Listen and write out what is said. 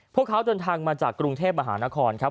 พวกเขาจนทางมาจากกรุงเทพอาหารคลครับ